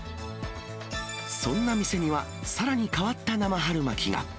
そんな店には、さらに変わった生春巻きが。